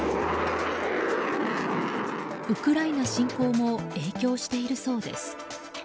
ウクライナ侵攻も影響しているそうです。